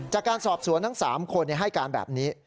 จากการสอบสวนทั้ง๓คนให้การแบบนี้